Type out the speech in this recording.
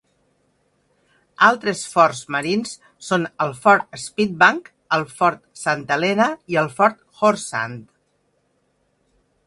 Altres forts marins són el Fort Spitbank, el Fort Santa Helena i el Fort Horse Sand.